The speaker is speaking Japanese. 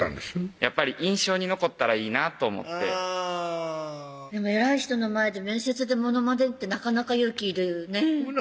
やっぱり印象に残ったらいいなと思って偉い人の前で面接でモノマネってなかなか勇気いるねほな